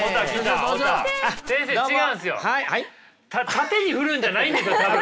縦に振るんじゃないんですよ多分。